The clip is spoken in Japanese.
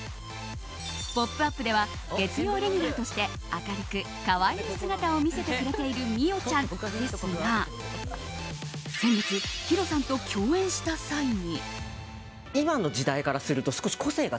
「ポップＵＰ！」では月曜レギュラーとして明るく可愛い姿を見せてくれている美桜ちゃんですが先月、ヒロさんと共演した際に。